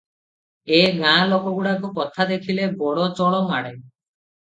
ଏ ଗାଁ ଲୋକଗୁଡାକଙ୍କ କଥା ଦେଖିଲେ ବଡ ଚଳ ମାଡେ ।